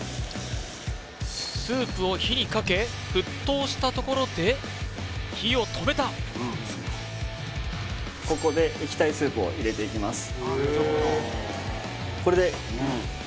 スープを火にかけ沸騰したところで火を止めたここで液体スープを入れていきます